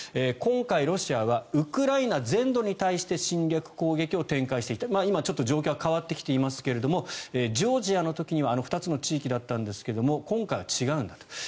今回、ロシアはウクライナ全土に対して侵略・攻撃を展開している今、ちょっと状況は変わってきていますがジョージアの時にはあの２つの地域だったんだけど今回は違うんだと。